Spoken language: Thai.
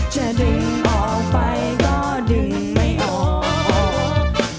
จะดึงออกไปก็ดึงไม่ออก